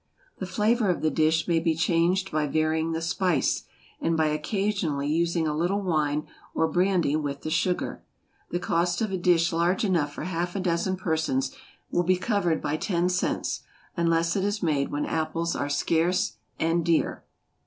The flavor of the dish may be changed by varying the spice, and by occasionally using a little wine or brandy with the sugar. The cost of a dish large enough for half a dozen persons will be covered by ten cents, unless it is made when apples are scarce and dear.